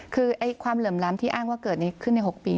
คือความเหลื่อมล้ำที่อ้างว่าเกิดขึ้นใน๖ปี